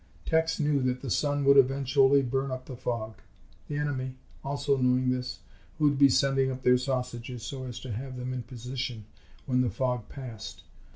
Tex knew that the sun would eventually burn up the fog. The enemy, also knowing this, would be sending up their sausages so as to have them in position when the fog passed.